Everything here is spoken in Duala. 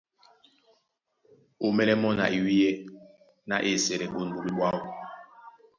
Á ómɛ́lɛ́ mɔ́ na iwíyɛ́ ná á esɛlɛ ɓôn ɓoɓé ɓwáō.